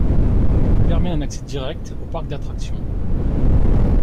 Permet un accès direct au parc d'attractions.